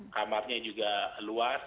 kamarnya juga luas